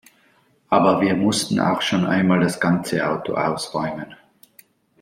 Aber wir mussten auch schon einmal das ganze Auto ausräumen.